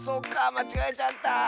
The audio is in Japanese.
まちがえちゃった！